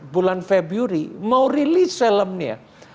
bulan februari mau rilis filmnya